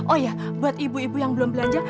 oh ya buat ibu ibu yang belum belanja